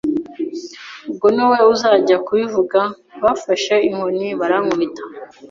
ubwo ni wowe uzajya kubivuga.” Bafashe inkoni barankubita